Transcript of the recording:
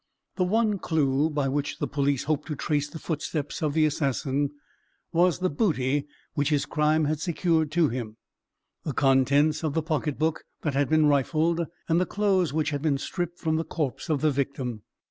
The one clue by which the police hoped to trace the footsteps of the assassin was the booty which his crime had secured to him: the contents of the pocket book that had been rifled, and the clothes which had been stripped from the corpse of the victim.